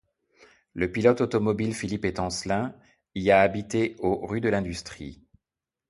Le pilote automobile Philippe Étancelin y a habité au rue de l'Industrie.